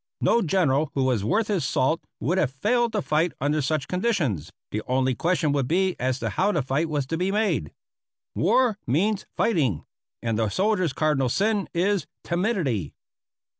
No general who was worth his salt would have failed to fight under such conditions; the only question would be as to how the fight was to be made. War means fighting; and the soldier's cardinal sin is timidity.